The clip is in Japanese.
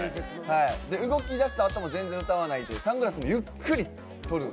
動き出したあとも全然歌わないでサングラスもゆっくり取る。